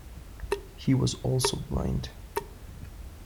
He was also blind.